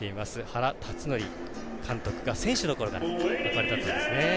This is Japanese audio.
原辰徳監督が選手のころから憧れだったんですね。